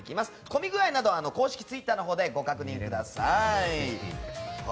混み具合などは公式ツイッターでご確認ください。